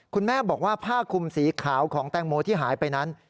คุณแม่บอกว่าผ้าคุมสีขาวของแตงโมที่หายไปนั้น